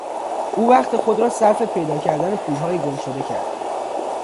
او وقت خود را صرف پیدا کردن پولهای گمشده کرد.